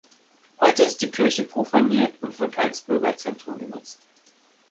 Heute ist die Kirche profaniert und wird als Bürgerzentrum genutzt.